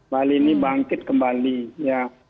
bali ini bangkit kembali ya